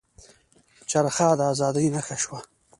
چرخه د ازادۍ نښه شوه.